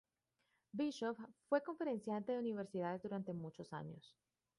Bishop fue conferenciante de universidades durante muchos años.